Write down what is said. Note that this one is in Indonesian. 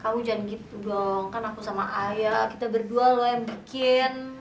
aku jangan gitu dong kan aku sama ayah kita berdua loh yang bikin